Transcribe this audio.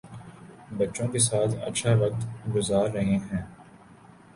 بچوں کے ساتھ اچھا وقت گذار رہے ہیں